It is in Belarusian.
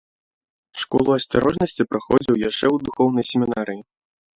Школу асцярожнасці праходзіў яшчэ ў духоўнай семінарыі.